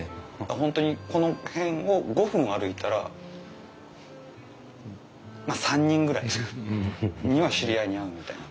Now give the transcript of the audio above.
本当にこの辺を５分歩いたらまあ３人ぐらいには知り合いに会うみたいな。